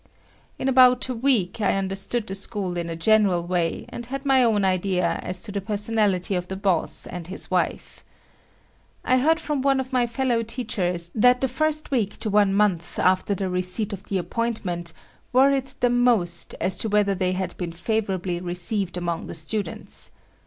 In about a week I understood the school in a general way, and had my own idea as to the personality of the boss and his wife. I heard from one of my fellow teachers that the first week to one month after the receipt of the appointment worried them most as to whether they had been favorably received among the students.